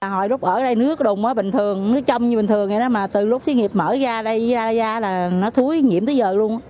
hồi lúc ở đây nước đùng bình thường nước châm như bình thường vậy đó mà từ lúc thiên nghiệp mở ra đây ra ra là nó thúi nhiễm tới giờ luôn